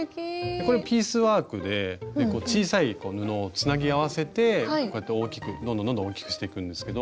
これピースワークで小さい布をつなぎ合わせてこうやって大きくどんどんどんどん大きくしていくんですけど。